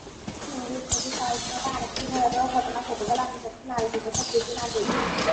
নারীর প্রতি সহিংসতার আরেকটি ভয়াবহ ঘটনা ঘটে গেল আন্তর্জাতিক নারী দিবসের দুদিন আগে।